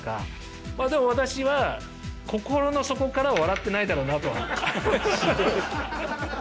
まあでも私は心の底からは笑ってないだろうなとは思ってますけどね。